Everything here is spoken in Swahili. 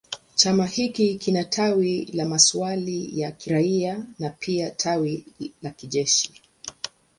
Chama hiki kina tawi la masuala ya kiraia na pia tawi la kijeshi.